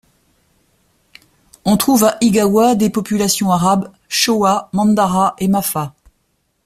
On trouve à Igawa des populations arabes Choa, Mandara et Mafa.